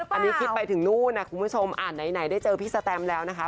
อันนี้คิดไปถึงนู่นนะคุณผู้ชมอ่านไหนได้เจอพี่สแตมแล้วนะคะ